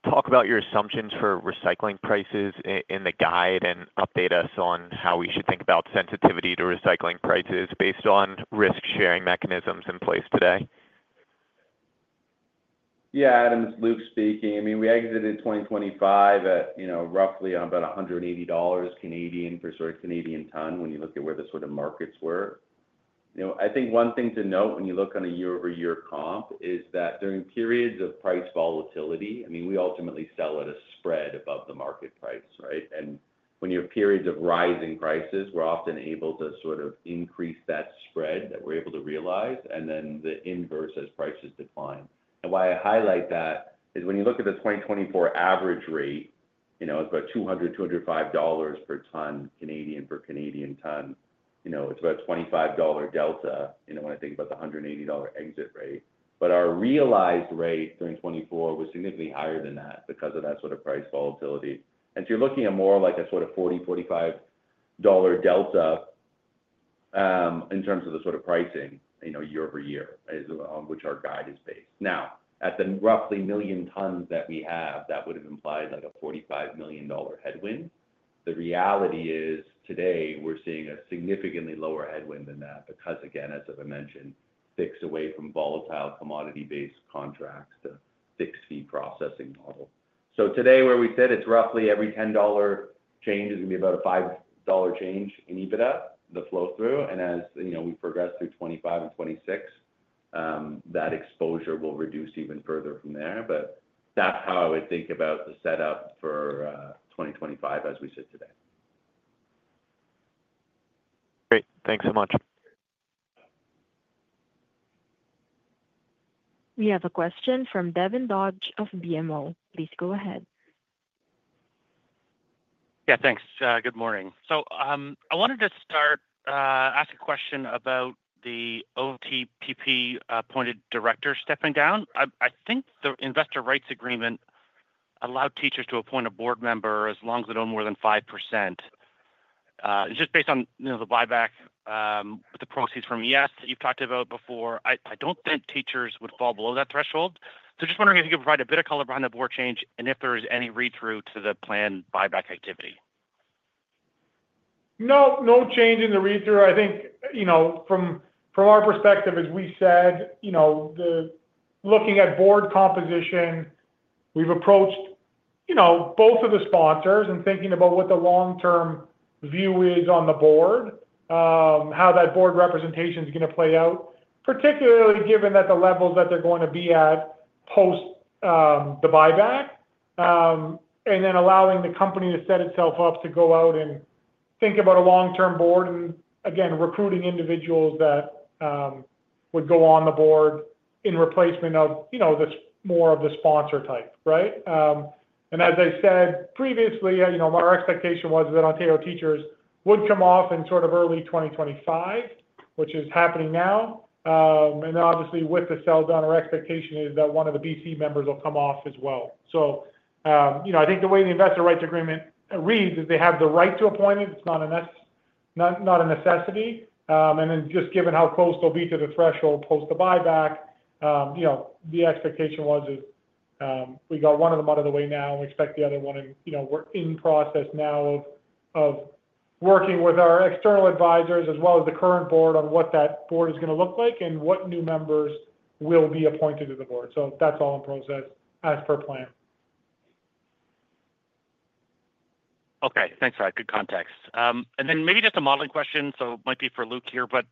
talk about your assumptions for recycling prices in the guide and update us on how we should think about sensitivity to recycling prices based on risk-sharing mechanisms in place today? Yeah. Adam, it's Luke speaking. I mean, we exited 2025 at roughly about $180 for sort of Canadian ton when you look at where the sort of markets were. I think one thing to note when you look on a year-over-year comp is that during periods of price volatility, I mean, we ultimately sell at a spread above the market price, right? And when you have periods of rising prices, we're often able to sort of increase that spread that we're able to realize, and then the inverse as prices decline. And why I highlight that is when you look at the 2024 average rate, it's about 200-205 dollars per ton Canadian for Canadian ton. It's about a $25 delta when I think about the $180 exit rate. But our realized rate during 2024 was significantly higher than that because of that sort of price volatility. And so you're looking at more like a sort of $40-$45 dollar delta in terms of the sort of pricing year over year, which our guide is based. Now, at the roughly 1 million tons that we have, that would have implied like a $45 million headwind. The reality is today we're seeing a significantly lower headwind than that because, again, as I mentioned, fixed away from volatile commodity-based contracts to fixed fee processing model. So today, where we said it's roughly every $10 change is going to be about a $5 change in EBITDA, the flow through. And as we progress through 2025 and 2026, that exposure will reduce even further from there. But that's how I would think about the setup for 2025 as we sit today. Great. Thanks so much. We have a question from Devin Dodge of BMO. Please go ahead. Yeah. Thanks. Good morning, so I wanted to start asking a question about the OTPP appointed director stepping down. I think the investor rights agreement allowed teachers to appoint a board member as long as they don't more than 5%. Just based on the buyback with the proxies from ES that you've talked about before, I don't think teachers would fall below that threshold, so just wondering if you could provide a bit of color behind the board change and if there is any read-through to the planned buyback activity. No change in the read-through. I think from our perspective, as we said, looking at board composition, we've approached both of the sponsors and thinking about what the long-term view is on the board, how that board representation is going to play out, particularly given that the levels that they're going to be at post the buyback, and then allowing the company to set itself up to go out and think about a long-term board and, again, recruiting individuals that would go on the board in replacement of more of the sponsor type, right? And as I said previously, our expectation was that Ontario teachers would come off in sort of early 2025, which is happening now. And obviously, with the sell down, our expectation is that one of the BC members will come off as well. So I think the way the investor rights agreement reads is they have the right to appoint it. It's not a necessity. And then just given how close they'll be to the threshold post the buyback, the expectation was we got one of them out of the way now. We expect the other one and we're in process now of working with our external advisors as well as the current board on what that board is going to look like and what new members will be appointed to the board. So that's all in process as per plan. Okay. Thanks for that. Good context. And then maybe just a modeling question. So it might be for Luke here, but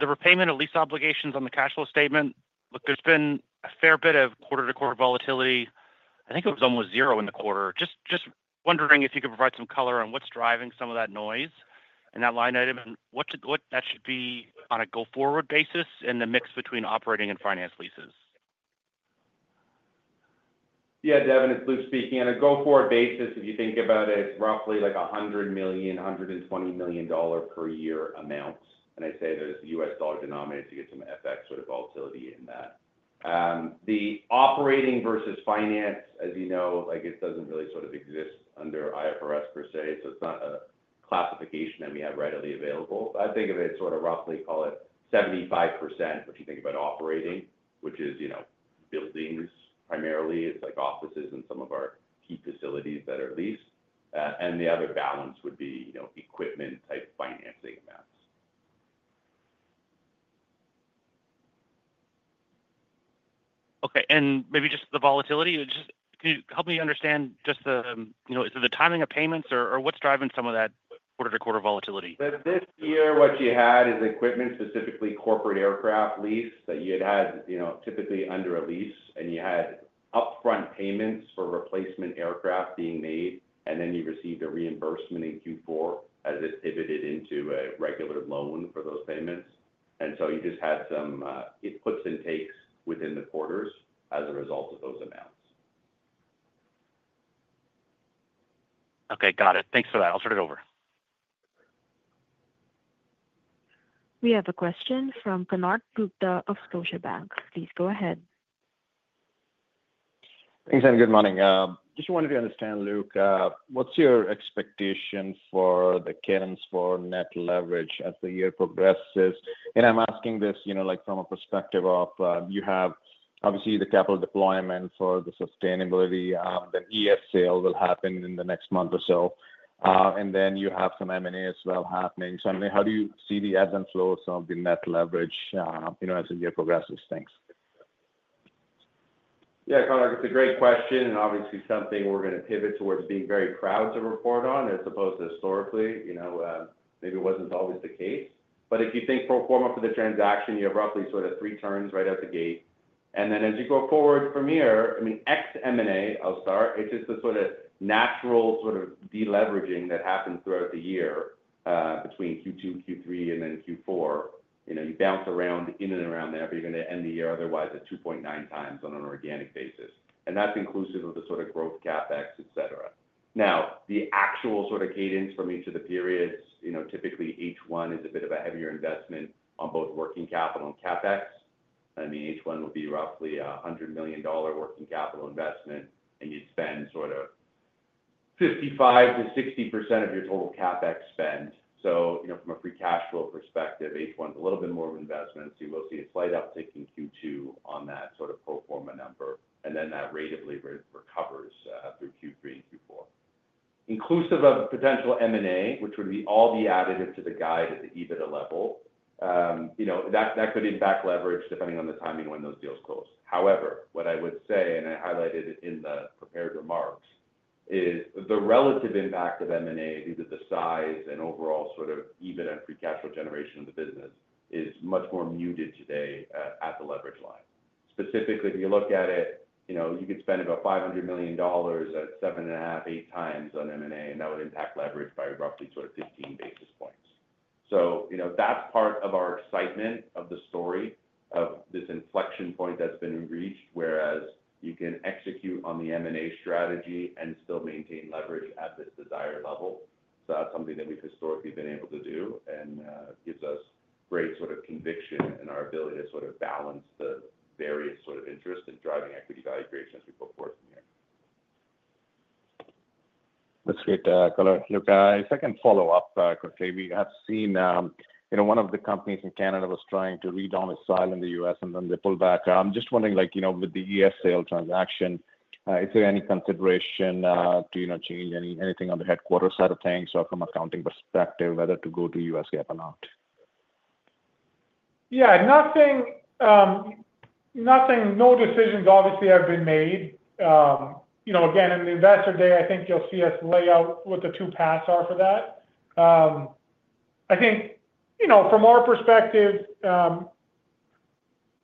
the repayment of lease obligations on the cash flow statement, there's been a fair bit of quarter-to-quarter volatility. I think it was almost zero in the quarter. Just wondering if you could provide some color on what's driving some of that noise and that line item and what that should be on a go-forward basis and the mix between operating and finance leases. Yeah. Devin, it's Luke speaking. On a go-forward basis, if you think about it, it's roughly like $100 million-$120 million dollar per year amounts. And I say there's U.S. dollar denominated. You get some FX sort of volatility in that. The operating versus finance, as you know, it doesn't really sort of exist under IFRS per se. So it's not a classification that we have readily available. But I think of it sort of roughly call it 75%, which you think about operating, which is buildings primarily. It's like offices and some of our key facilities that are leased. And the other balance would be equipment-type financing amounts. Okay, and maybe just the volatility. Can you help me understand just the timing of payments or what's driving some of that quarter-to-quarter volatility? This year, what you had is equipment, specifically corporate aircraft lease that you had had typically under a lease, and you had upfront payments for replacement aircraft being made, and then you received a reimbursement in Q4 as it pivoted into a regular loan for those payments, and so you just had some puts and takes within the quarters as a result of those amounts. Okay. Got it. Thanks for that. I'll turn it over. We have a question from Konark Gupta of Scotiabank. Please go ahead. Thanks, Adam. Good morning. Just wanted to understand, Luke, what's your expectation for the cadence for net leverage as the year progresses? And I'm asking this from a perspective of you have obviously the capital deployment for the sustainability, then ES sale will happen in the next month or so, and then you have some M&A as well happening. So how do you see the ebb and flow of some of the net leverage as the year progresses? Thanks. Yeah. It's a great question and obviously something we're going to pivot towards being very proud to report on as opposed to historically, maybe it wasn't always the case, but if you think pro forma for the transaction, you have roughly sort of three turns right out the gate, and then as you go forward from here, I mean, ex-M&A, I'll start, it's just the sort of natural sort of deleveraging that happens throughout the year between Q2, Q3, and then Q4. You bounce around in and around there, but you're going to end the year otherwise at 2.9 times on an organic basis, and that's inclusive of the sort of growth CapEx, etc. Now, the actual sort of cadence from each of the periods, typically H1 is a bit of a heavier investment on both working capital and CapEx. I mean, H1 will be roughly a $100 million working capital investment, and you'd spend sort of 55%-60% of your total CapEx spend. So from a free cash flow perspective, H1 is a little bit more of an investment. So you will see a slight uptick in Q2 on that sort of pro forma number, and then that rate of labor recovers through Q3 and Q4. Inclusive of potential M&A, which would be all the additive to the guide at the EBITDA level, that could impact leverage depending on the timing when those deals close. However, what I would say, and I highlighted it in the prepared remarks, is the relative impact of M&A due to the size and overall sort of EBITDA and free cash flow generation of the business is much more muted today at the leverage line. Specifically, if you look at it, you could spend about $500 million at seven and a half, eight times on M&A, and that would impact leverage by roughly sort of 15 basis points. So that's part of our excitement of the story of this inflection point that's been reached, whereas you can execute on the M&A strategy and still maintain leverage at this desired level. So that's something that we've historically been able to do and gives us great sort of conviction in our ability to sort of balance the various sort of interests and driving equity value creation as we go forward from here. That's great color. Look, if I can follow up quickly, we have seen one of the companies in Canada was trying to re-domicile in the US and then they pulled back. I'm just wondering, with the ES sale transaction, is there any consideration to change anything on the headquarters side of things or from accounting perspective, whether to go to U.S. GAAP or not? Yeah. No decisions obviously have been made. Again, in the Investor Day, I think you'll see us lay out what the two paths are for that. I think from our perspective,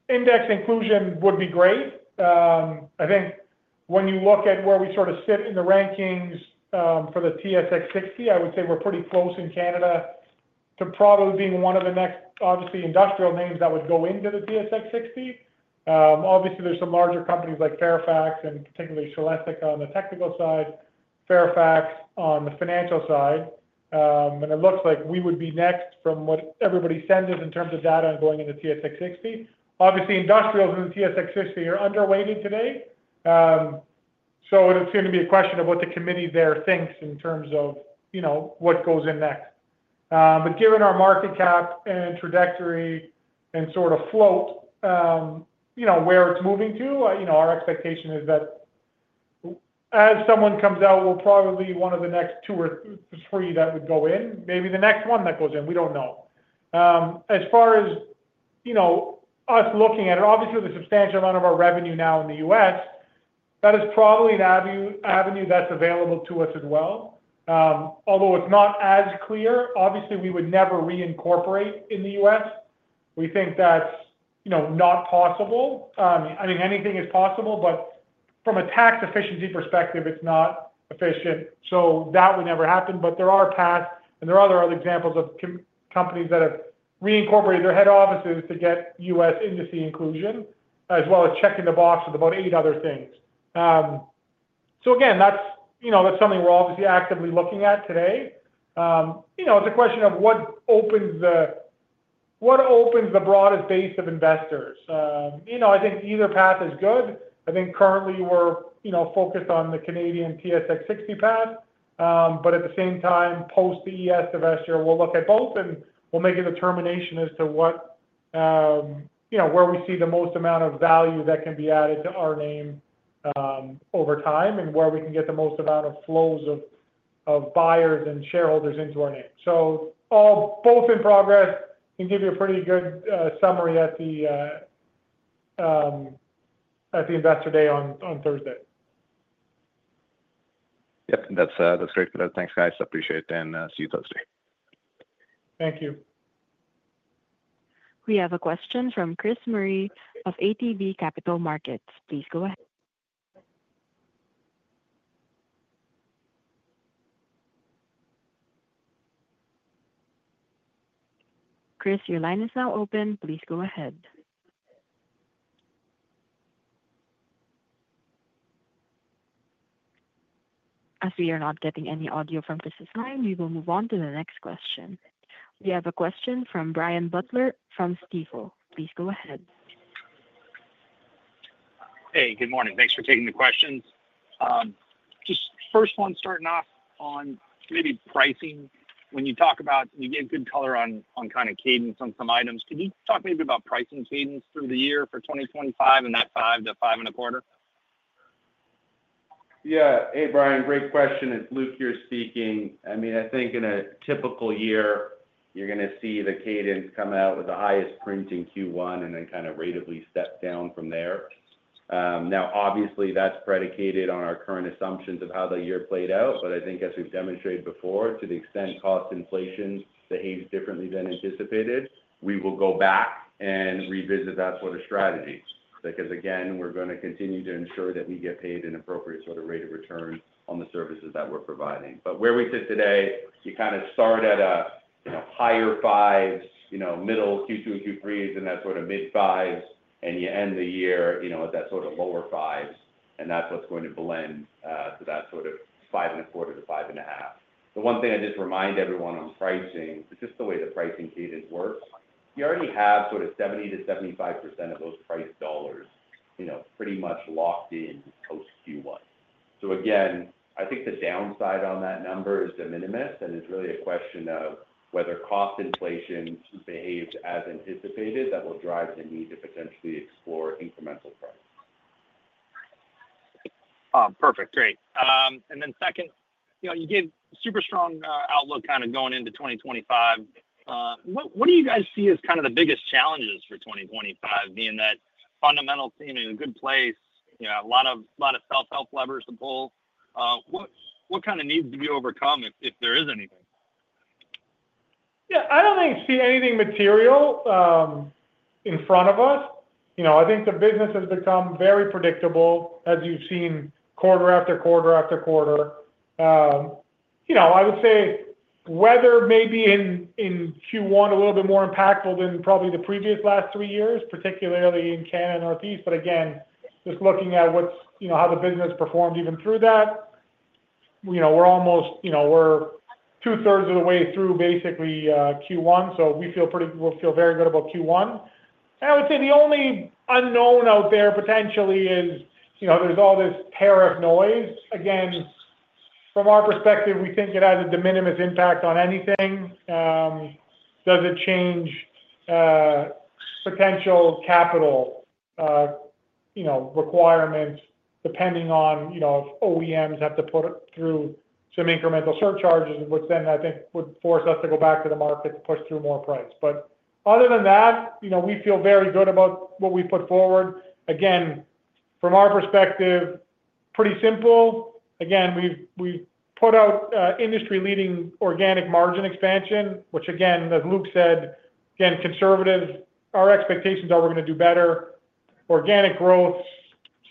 index inclusion would be great. I think when you look at where we sort of sit in the rankings for the TSX 60, I would say we're pretty close in Canada to probably being one of the next, obviously, industrial names that would go into the TSX 60. Obviously, there's some larger companies like Fairfax and particularly Celestica on the technical side, Fairfax on the financial side, and it looks like we would be next from what everybody sends us in terms of data going into TSX 60. Obviously, industrials in the TSX 60 are underweighted today, so it would appear to be a question of what the committee there thinks in terms of what goes in next. Given our market cap and trajectory and sort of float where it's moving to, our expectation is that as someone comes out, we'll probably be one of the next two or three that would go in, maybe the next one that goes in. We don't know. As far as us looking at it, obviously, the substantial amount of our revenue now in the U.S., that is probably an avenue that's available to us as well. Although it's not as clear, obviously, we would never reincorporate in the U.S. We think that's not possible. I mean, anything is possible, but from a tax efficiency perspective, it's not efficient. So that would never happen. But there are paths, and there are other examples of companies that have reincorporated their head offices to get U.S. industry inclusion as well as checking the box with about eight other things. So again, that's something we're obviously actively looking at today. It's a question of what opens the broadest base of investors. I think either path is good. I think currently we're focused on the Canadian TSX 60 path, but at the same time, post the ES divestiture, we'll look at both and we'll make a determination as to where we see the most amount of value that can be added to our name over time and where we can get the most amount of flows of buyers and shareholders into our name. So both in progress and give you a pretty good summary at the Investor Day on Thursday. Yep. That's great. Thanks, guys. Appreciate it and see you Thursday. Thank you. We have a question from Chris Murray of ATB Capital Markets. Please go ahead. Chris, your line is now open. Please go ahead. As we are not getting any audio from Chris's line, we will move on to the next question. We have a question from Brian Butler from Stifel. Please go ahead. Hey, good morning. Thanks for taking the questions. Just first one, starting off on maybe pricing. When you talk about, you gave good color on kind of cadence on some items. Could you talk maybe about pricing cadence through the year for 2025 and that five to five and a quarter? Yeah. Hey, Brian. Great question. It's Luke here speaking. I mean, I think in a typical year, you're going to see the cadence come out with the highest print in Q1 and then kind of ratably step down from there. Now, obviously, that's predicated on our current assumptions of how the year played out, but I think as we've demonstrated before, to the extent cost inflation behaves differently than anticipated, we will go back and revisit that sort of strategy. Because again, we're going to continue to ensure that we get paid an appropriate sort of rate of return on the services that we're providing. But where we sit today, you kind of start at a higher fives, middle Q2 and Q3, and then that sort of mid fives, and you end the year at that sort of lower fives. And that's what's going to blend to that sort of five and a quarter to five and a half. The one thing I just remind everyone on pricing, it's just the way the pricing cadence works. You already have sort of 70%-75% of those price dollars pretty much locked in post Q1. So again, I think the downside on that number is de minimis and is really a question of whether cost inflation behaves as anticipated that will drive the need to potentially explore incremental prices. Perfect. Great. And then, second, you gave super strong outlook kind of going into 2025. What do you guys see as kind of the biggest challenges for 2025 being that fundamentals seem in a good place, a lot of self-help levers to pull? What kind of needs to be overcome if there is anything? Yeah. I don't think I see anything material in front of us. I think the business has become very predictable as you've seen quarter after quarter after quarter. I would say weather may be in Q1 a little bit more impactful than probably the previous last three years, particularly in Canada and Northeast. But again, just looking at how the business performed even through that, we're almost two-thirds of the way through basically Q1. So we feel very good about Q1. And I would say the only unknown out there potentially is there's all this tariff noise. Again, from our perspective, we think it has a de minimis impact on anything. Does it change potential capital requirements depending on if OEMs have to put through some incremental surcharges, which then I think would force us to go back to the market to push through more price? But other than that, we feel very good about what we put forward. Again, from our perspective, pretty simple. Again, we've put out industry-leading organic margin expansion, which again, as Luke said, again, conservative. Our expectations are we're going to do better. Organic growth,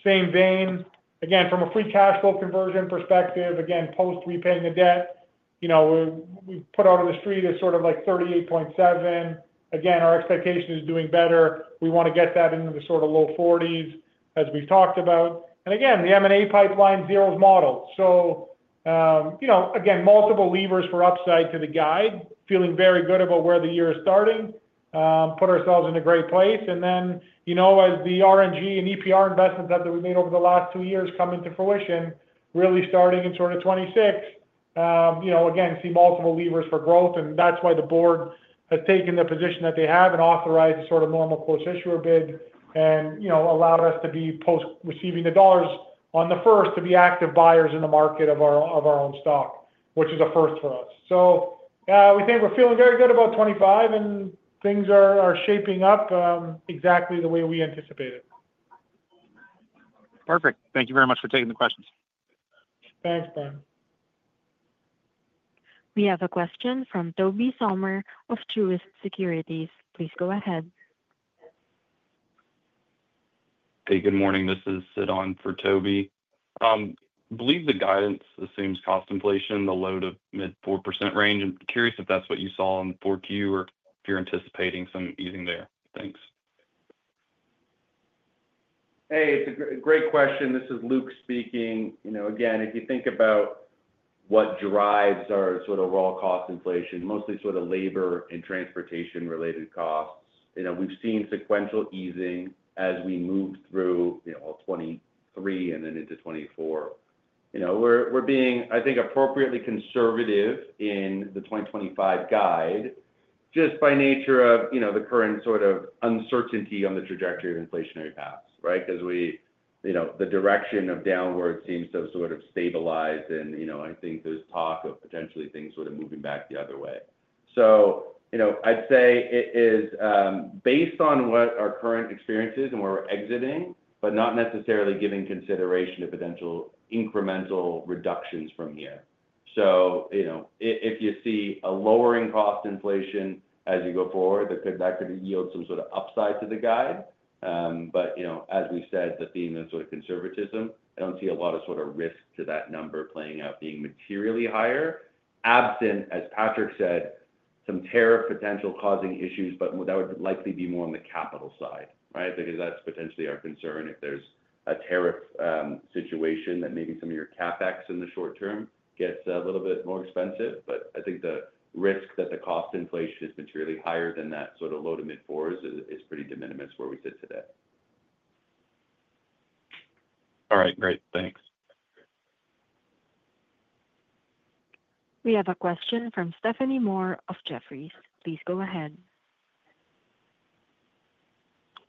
same vein. Again, from a free cash flow conversion perspective, again, post repaying the debt, we've put out on the street is sort of like 38.7. Again, our expectation is doing better. We want to get that into the sort of low 40s as we've talked about. And again, the M&A pipeline zeros model. So again, multiple levers for upside to the guide, feeling very good about where the year is starting, put ourselves in a great place. And then as the RNG and EPR investments that we've made over the last two years come into fruition, really starting in sort of 2026, again, see multiple levers for growth. And that's why the board has taken the position that they have and authorized a sort of Normal Course Issuer Bid and allowed us to be post receiving the dollars on the first to be active buyers in the market of our own stock, which is a first for us. So we think we're feeling very good about 2025 and things are shaping up exactly the way we anticipated. Perfect. Thank you very much for taking the questions. Thanks, Brian. We have a question from Toby Sommer of Truist Securities. Please go ahead. Hey, good morning. This is Sid on for Toby. I believe the guidance assumes cost inflation, the low- to mid-4% range. I'm curious if that's what you saw on the 4Q or if you're anticipating some easing there. Thanks. Hey, it's a great question. This is Luke speaking. Again, if you think about what drives our sort of raw cost inflation, mostly sort of labor and transportation-related costs, we've seen sequential easing as we move through 2023 and then into 2024. We're being, I think, appropriately conservative in the 2025 guide just by nature of the current sort of uncertainty on the trajectory of inflationary paths, right? Because the direction of downward seems to have sort of stabilized, and I think there's talk of potentially things sort of moving back the other way. So I'd say it is based on what our current experience is and where we're exiting, but not necessarily giving consideration to potential incremental reductions from here. So if you see a lowering cost inflation as you go forward, that could yield some sort of upside to the guide. But as we said, the theme of sort of conservatism, I don't see a lot of sort of risk to that number playing out being materially higher, absent, as Patrick said, some tariff potential causing issues, but that would likely be more on the capital side, right? Because that's potentially our concern if there's a tariff situation that maybe some of your CapEx in the short term gets a little bit more expensive. But I think the risk that the cost inflation is materially higher than that sort of low to mid fours is pretty de minimis where we sit today. All right. Great. Thanks. We have a question from Stephanie Moore of Jefferies. Please go ahead.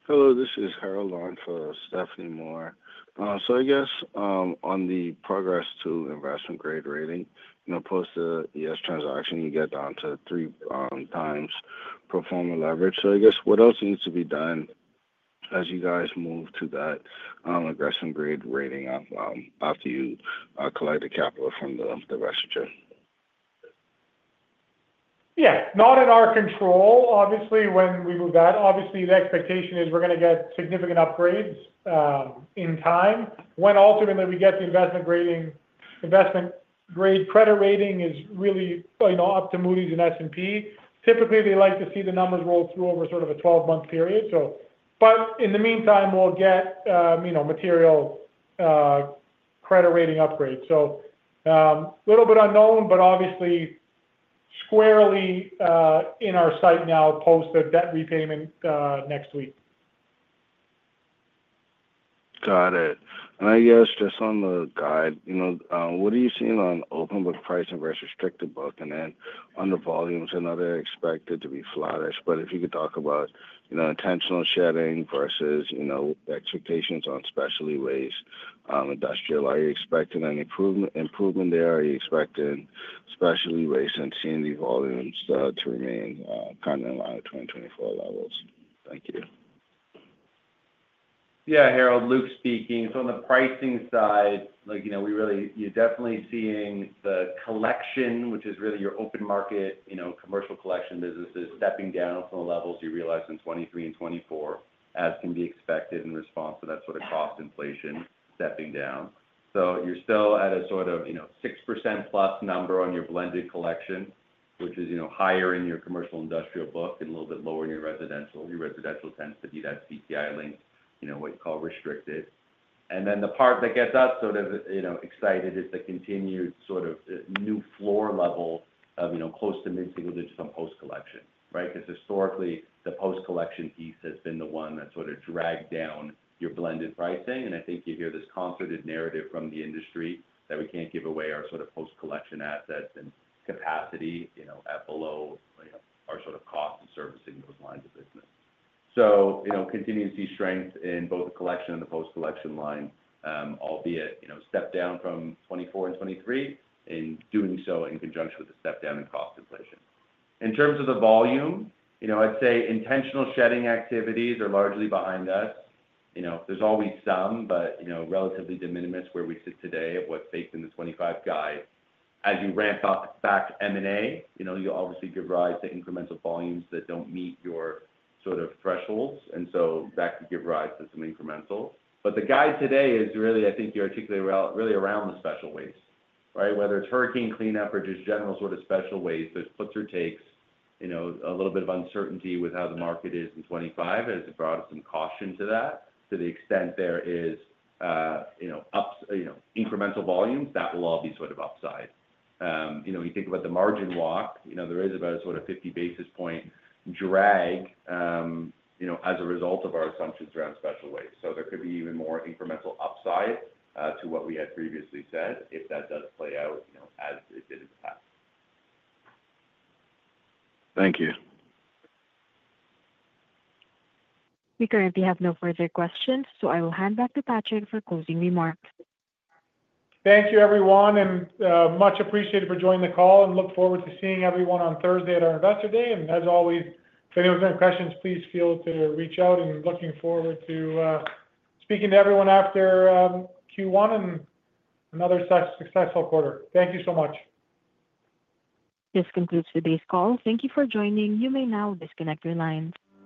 Hello. This is Harold on for Stephanie Moore. So I guess on the progress to investment-grade rating, post the ES transaction, you get down to three times performance leverage. So I guess what else needs to be done as you guys move to that investment-grade rating after you collect the capital from the divestiture? Yeah. Not in our control. Obviously, when we move that, obviously, the expectation is we're going to get significant upgrades in time. When ultimately we get the investment-grade credit rating is really up to Moody's and S&P. Typically they like to see the numbers roll through over sort of a 12-month period. But in the meantime, we'll get material credit rating upgrades. So a little bit unknown, but obviously squarely in our sight now post the debt repayment next week. Got it. And I guess just on the guide, what are you seeing on open book price and versus restricted book? And then on the volumes, I know they're expected to be flattish, but if you could talk about intentional shedding versus expectations on specialty waste, industrial, are you expecting an improvement there? Are you expecting specialty waste and C&D volumes to remain kind of in line with 2024 levels? Thank you. Yeah, Harold, Luke speaking. So on the pricing side, we're really, you're definitely seeing the collection, which is really your open market commercial collection businesses stepping down from the levels you realized in 2023 and 2024, as can be expected in response to that sort of cost inflation stepping down. So you're still at a sort of 6% plus number on your blended collection, which is higher in your commercial industrial book and a little bit lower in your residential. Your residential tends to be that CPI linked, what you call restricted. And then the part that gets us sort of excited is the continued sort of new floor level of close to mid single digits on post collection, right? Because historically, the post collection piece has been the one that sort of dragged down your blended pricing. I think you hear this concerted narrative from the industry that we can't give away our sort of post collection assets and capacity at below our sort of cost of servicing those lines of business. So continue to see strength in both the collection and the post collection line, albeit step down from 2024 and 2023 in doing so in conjunction with the step down in cost inflation. In terms of the volume, I'd say intentional shedding activities are largely behind us. There's always some, but relatively de minimis where we sit today of what's baked in the 2025 guide. As you ramp back M&A, you obviously give rise to incremental volumes that don't meet your sort of thresholds. And so that could give rise to some incremental. But the guide today is really, I think you articulate really around the special waste, right? Whether it's hurricane cleanup or just general sort of special waste, there's puts or takes, a little bit of uncertainty with how the market is in 2025 has brought some caution to that. To the extent there is incremental volumes, that will all be sort of upside. You think about the margin walk, there is about a sort of 50 basis points drag as a result of our assumptions around special waste. So there could be even more incremental upside to what we had previously said if that does play out as it did in the past. Thank you. And has no further questions, so I will hand back to Patrick for closing remarks. Thank you, everyone, and much appreciated for joining the call and look forward to seeing everyone on Thursday at our Investor Day, and as always, if anyone has any questions, please feel free to reach out, and looking forward to speaking to everyone after Q1 and another successful quarter. Thank you so much. This concludes today's call. Thank you for joining. You may now disconnect your lines.